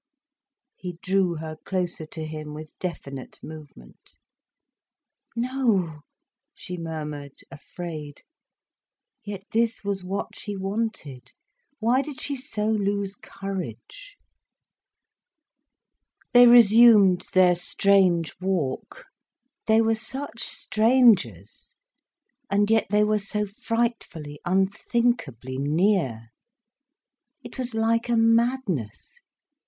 He drew her closer to him, with definite movement. "No," she murmured, afraid. Yet this was what she wanted. Why did she so lose courage? They resumed their strange walk. They were such strangers—and yet they were so frightfully, unthinkably near. It was like a madness.